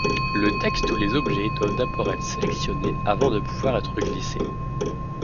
Le texte ou les objets doivent d'abord être sélectionnés avant de pouvoir être glissés.